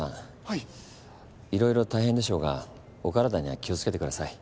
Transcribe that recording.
いろいろ大変でしょうがお体には気を付けてください。